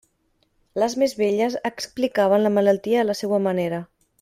Les més velles explicaven la malaltia a la seua manera.